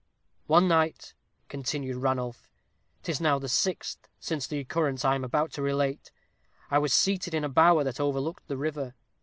"One night," continued Ranulph "'tis now the sixth since the occurrence I am about to relate I was seated in a bower that overlooked the river.